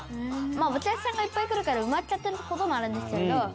お客さんがいっぱい来るから埋まっちゃってる事もあるんですけど」